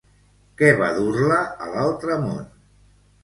Què va dur-la a l'altre món?